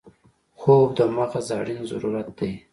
خوب د مغز اړین ضرورت دی